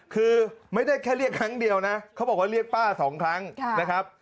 คือไม่ได้แค่เรียกครั้งเดียวนะเขาบอกว่าเรียกป้าสองครั้งนะครับ